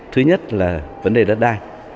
thứ nhất là vấn đề đất đai